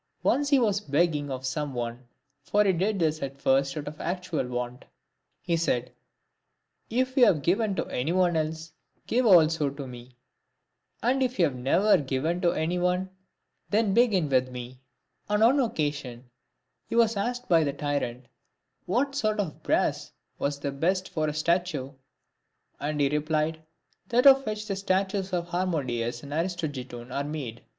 Once he was begging of some one (for he did this at first out of actual want), he said, " If you have given to any one else, give also to me ; and if you have never given to any one, then begin with me," On one occasion, he was asked by the tyrant, " What sort of brass was the best for a statue?1' and he replied, " That of which the statues of Har modius and Aristogiton are made."